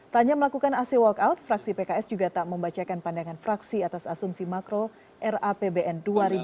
tanya melakukan aksi walkout fraksi pks juga tak membacakan pandangan fraksi atas asumsi makro rapbn dua ribu dua puluh